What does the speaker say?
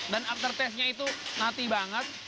dan aftertaste nya itu nati banget